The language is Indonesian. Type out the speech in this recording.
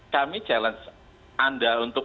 kami challenge anda untuk